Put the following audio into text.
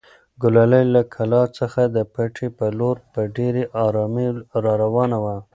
ګلالۍ له کلا څخه د پټي په لور په ډېرې ارامۍ راروانه وه.